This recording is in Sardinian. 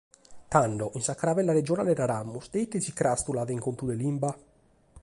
Tando, in sa Caravella regionale naramus, de ite si cràstulat in contu de Limba?